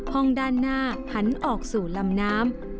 ห้องด้านหน้าหันออกสู่ลำน้ำ